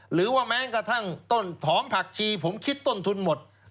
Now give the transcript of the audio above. หรือว่าแม้กระทั่งต้นหอมผักชีผมคิดต้นทุนหมด